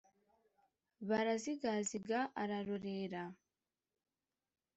Barazigaziga ararorera!